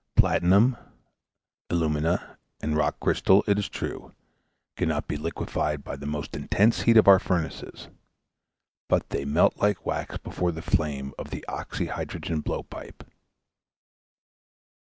Platinum, alumina, and rock crystal, it is true, cannot be liquified by the most intense heat of our furnaces, but they melt like wax before the flame of the oxy hydrogen blowpipe.